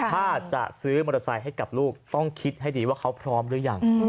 ถ้าจะซื้อมอเตอร์ไซค์ให้กับลูกต้องคิดให้ดีว่าเขาพร้อมหรือยัง